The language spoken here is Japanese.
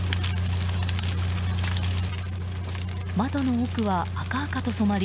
窓の奥は赤々と染まり